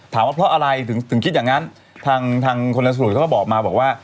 ว่าเพราะอะไรถึงคิดอย่างนั้นทางคนสูตรเขาก็บอกมาบอกว่า